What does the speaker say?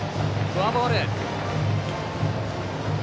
フォアボール。